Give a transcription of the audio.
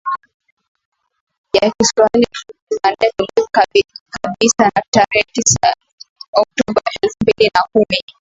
ya kiswahili rfi jumanne tulivu kabisa ya tarehe tisa oktoba elfu mbili na kumi